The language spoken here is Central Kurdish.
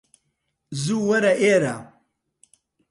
زوو وەرە ئێرە